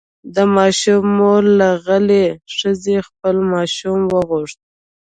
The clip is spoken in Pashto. د ماشوم مور له غلې ښځې خپل ماشوم وغوښت.